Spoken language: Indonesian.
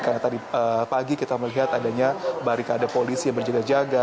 karena tadi pagi kita melihat adanya barikade polisi yang berjaga jaga